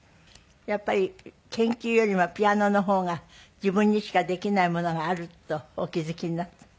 やっぱり研究よりもピアノの方が自分にしかできないものがあるとお気付きになった？